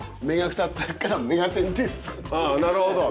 あぁなるほど！